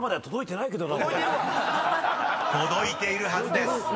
［届いているはずです］